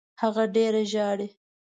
هغه ډېره ژاړي.